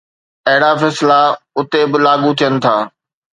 اهڙا فيصلا اتي به لاڳو ٿين ٿا